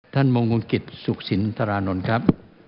ท่านมงคลกี้สุขสินทรานนลครับ